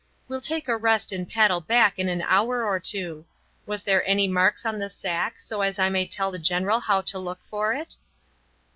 "We'll take a rest and paddle back in an hour or two. Was there any marks on the sack, so as I may tell the general how to look for it?"